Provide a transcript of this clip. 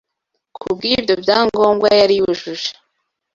kubw’ibyo byangombwa yari yujuje